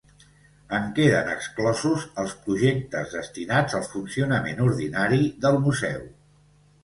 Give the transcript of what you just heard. En queden exclosos els projectes destinats al funcionament ordinari del museu.